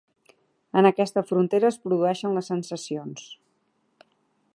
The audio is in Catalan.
En aquesta frontera es produeixen les sensacions.